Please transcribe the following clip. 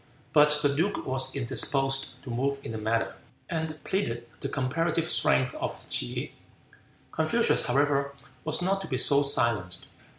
But the duke was indisposed to move in the matter, and pleaded the comparative strength of T'se. Confucius, however, was not to be so silenced.